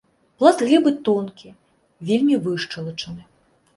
Пласт глебы тонкі, вельмі вышчалачаны.